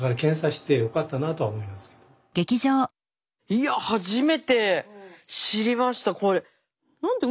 いや初めて知りましたこれ。